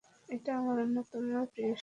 এটা আমার অন্যতম প্রিয় গল্প।